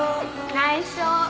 内緒